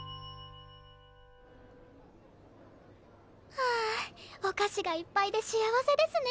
はあお菓子がいっぱいで幸せですね。